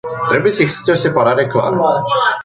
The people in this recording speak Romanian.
Trebuie să existe o separare clară.